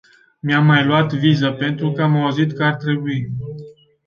Mi-am mai luat viză, pentru că am auzit că ar trebui.